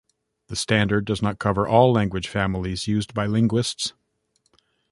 The standard does not cover all language families used by linguists.